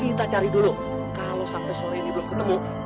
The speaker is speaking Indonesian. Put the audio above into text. kalau sampai sore ini belum ketemu